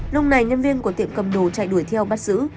lúc này nhân viên của tiệm cầm đồ chạy đuổi theo bắt giữ